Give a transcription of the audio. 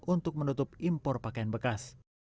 kementerian kepolisian untuk menutup impor pakaian bekas